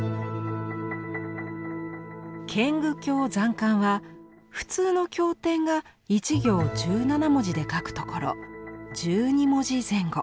「賢愚経残巻」は普通の経典が１行１７文字で書くところ１２文字前後。